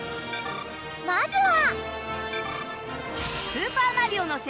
まずは。